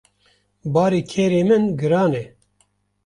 Barê kerê min giran e.